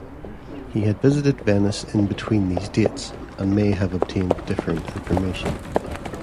He had visited Venice in between these dates, and may have obtained different information.